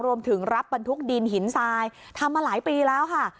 รวมถึงรับบรรทุกดินหินทรายทำมาหลายปีแล้วค่ะ